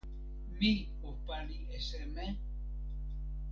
mi o pali e seme?